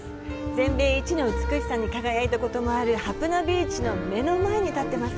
全米一の美しさに輝いたこともあるハプナビーチの目の前に建っています。